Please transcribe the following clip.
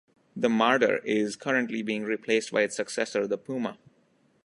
The Marder is currently being replaced by its successor, the Puma.